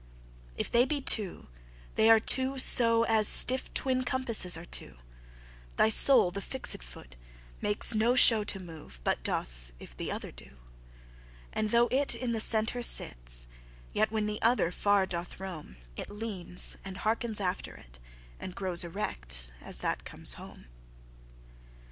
If they be two, they are two so As stiffe twin compasses are two, Thy soule the fixt foot, makes no show To move, but doth, if th' other doe. And though it in the center sit, Yet when the other far doth rome, It leanes, andhearkens after it, And growes erect, as that comes home.